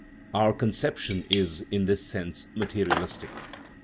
Our conception is, in this sense, ma terialistic.